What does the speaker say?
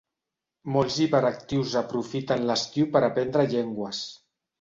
Molts hiperactius aprofiten l'estiu per aprendre llengües.